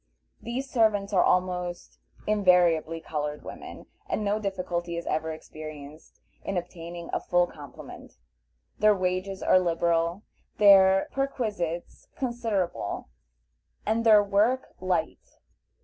These servants are almost invariably colored women, and no difficulty is ever experienced in obtaining a full complement. Their wages are liberal, their perquisites considerable, and their work light.